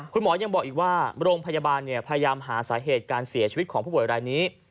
คุณหมอยังบอกอีกว่าโรงพยาบาลพยายามหาสาเหตุการเสียชีวิตของผู้ป่วยรายนี้